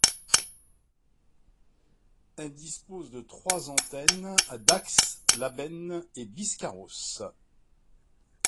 Elle dispose de trois antennes à Dax, Labenne, et Biscarrosse.